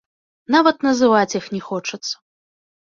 Нават называць іх не хочацца.